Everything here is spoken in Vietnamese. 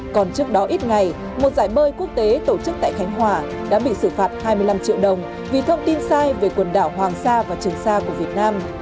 còn trước đó ít ngày một giải bơi quốc tế tổ chức tại khánh hòa đã bị xử phạt hai mươi năm triệu đồng vì thông tin sai về quần đảo hoàng sa và trường sa của việt nam